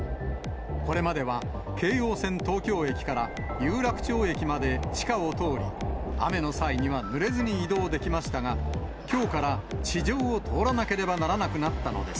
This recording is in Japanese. これまでは、京葉線東京駅から有楽町駅まで地下を通り、雨の際にはぬれずに移動できましたが、きょうから、地上を通らなければならなくなったのです。